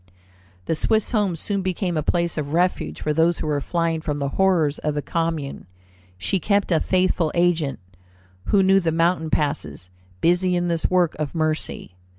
The Swiss home soon became a place of refuge for those who were flying from the horrors of the Commune. She kept a faithful agent, who knew the mountain passes, busy in this work of mercy.